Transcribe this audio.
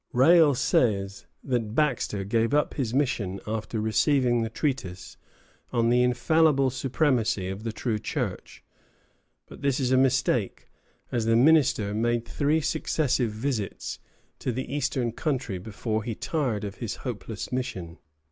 Rale says that Baxter gave up his mission after receiving the treatise on the infallible supremacy of the true Church; but this is a mistake, as the minister made three successive visits to the Eastern country before he tired of his hopeless mission.